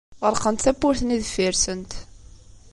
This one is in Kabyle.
Ɣelqent tawwurt-nni deffir-nsent.